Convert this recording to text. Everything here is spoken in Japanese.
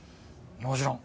もちろん。